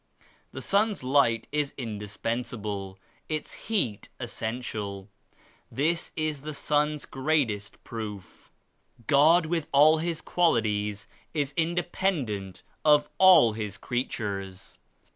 The sun's light is in dispensable ; its heat essential. This is the sun's greatest proof. God with all His qualities is independent of all His creatures.